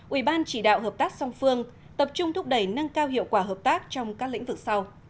ủy ban chỉ đạo hợp tác song phương tập trung thúc đẩy nâng cao hiệu quả hợp tác trong các lĩnh vực sau